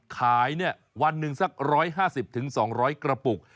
ขายวันหนึ่งสัก๑๕๐๒๐๐กระปุก